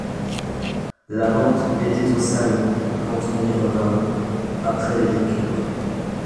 L'amante était au salon quand on y revint, après les liqueurs.